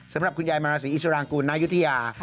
สำหรับคุณยายมาราศีอิสรางกูลนายุธยา